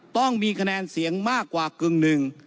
ต้องมีคะแนนเสียงมากกว่ากึ่งหนึ่ง